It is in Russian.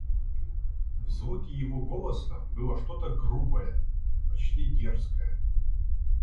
В звуке его голоса было что-то грубое, почти дерзкое.